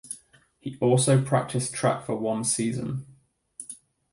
He also practiced track for one season.